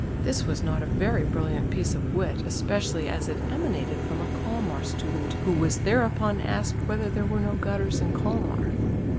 This was not a very brilliant piece of wit especially as it emanated from a Kalmar student who was thereupon asked "whether there were no gutters in Kalmar?"